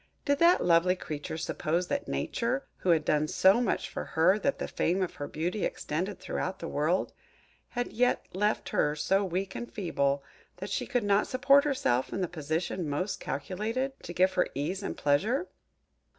Did that lovely creature suppose that Nature, who had done so much for her that the fame of her beauty extended throughout the world, had yet left her so weak and feeble that she could not support herself in the position most calculated to give her ease and pleasure?